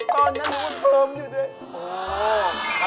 ตอนนั้นมันเทิมอยู่ด้วย